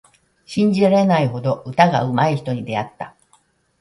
信じられないほど歌がうまい人に出会った。